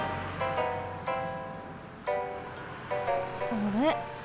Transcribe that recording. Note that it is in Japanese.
あれ？